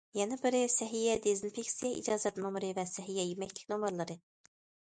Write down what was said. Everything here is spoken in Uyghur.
يەنە بىرى، سەھىيە دېزىنفېكسىيە ئىجازەت نومۇرى ۋە سەھىيە يېمەكلىك نومۇرلىرى.